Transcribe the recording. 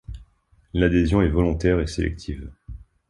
L'adhésion est volontaire et sélective.